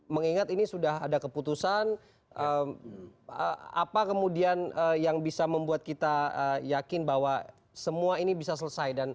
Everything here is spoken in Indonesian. mengingat ini sudah ada keputusan apa kemudian yang bisa membuat kita yakin bahwa semua ini bisa selesai